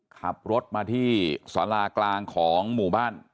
ขับรถมาที่สารากลางของหมู่บ้าน